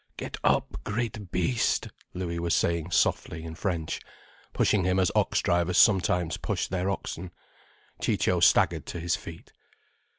"Get up, great beast," Louis was saying softly in French, pushing him as ox drivers sometimes push their oxen. Ciccio staggered to his feet.